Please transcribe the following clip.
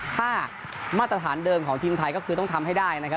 ถ้ามาตรฐานเดิมของทีมไทยก็คือต้องทำให้ได้นะครับ